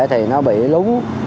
thì nó bị lúng